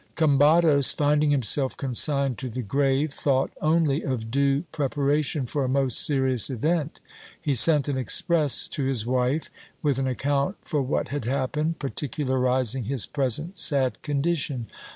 Combados, finding himself consigned to the grave, thought only of due pre paration for a most serious event. He sent an express to his wife, with an ac count for what had happened, particularizing his present sad condition.